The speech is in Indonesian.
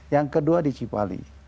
yang kedua di cipali